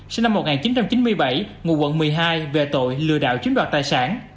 sinh năm một nghìn chín trăm chín mươi bảy ngụ quận một mươi hai về tội lừa đảo chiếm đoạt tài sản